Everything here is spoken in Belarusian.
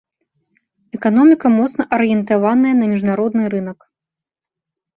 Эканоміка моцна арыентаваная на міжнародны рынак.